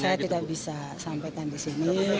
saya tidak bisa sampaikan di sini